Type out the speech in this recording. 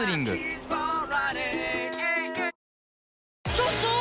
ちょっとー！